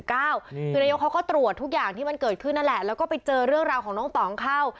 คือนายกเขาก็ตรวจทุกอย่างที่มันเกิดขึ้นนั่นแหละแล้วก็ไปเจอเรื่องราวของน้องต่องเข้า